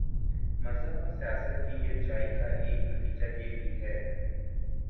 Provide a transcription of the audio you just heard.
مذہب اور سیاست کی یک جائی کا ایک نتیجہ یہ بھی ہے۔